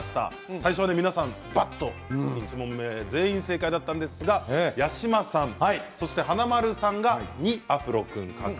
最初、皆さん１問目全員正解だったんですが八嶋さんと華丸さんが２アフロ君。